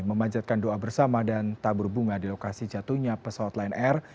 memanjatkan doa bersama dan tabur bunga di lokasi jatuhnya pesawat lion air